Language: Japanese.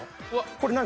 これ何？